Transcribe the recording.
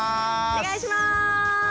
お願いします。